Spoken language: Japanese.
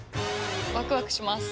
ワクワクします。